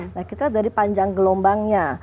nah kita dari panjang gelombangnya